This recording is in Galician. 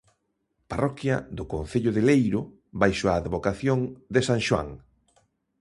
Parroquia do concello de Leiro baixo a advocación de san Xoán.